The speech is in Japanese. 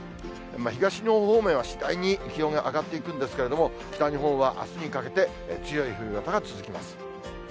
東日本方面は、次第に気温が上がっていくんですけれども、北日本はあすにかけて強い冬型が続きます。